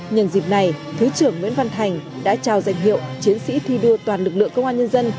nhân dịp này thứ trưởng nguyễn văn thành đã trao danh hiệu chiến sĩ thi đua toàn lực lượng công an nhân dân